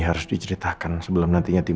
kor bradley terlalu ter aiming